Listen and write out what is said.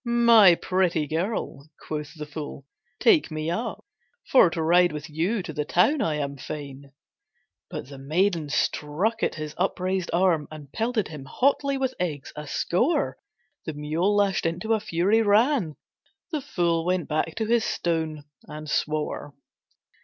"My pretty girl," quoth the fool, "take me up, For to ride with you to the town I am fain." But the maiden struck at his upraised arm And pelted him hotly with eggs, a score. The mule, lashed into a fury, ran; The fool went back to his stone and swore.